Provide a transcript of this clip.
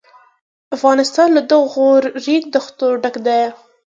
افغانستان له دغو ریګ دښتو ډک دی.